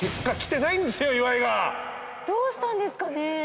どうしたんですかね？